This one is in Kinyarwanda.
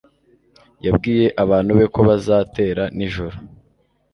Yabwiye abantu be ko bazatera nijoro.